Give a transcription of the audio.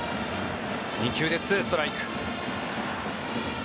２球で２ストライク。